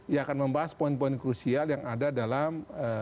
yang akan membahas poin poin krusial yang ada dalam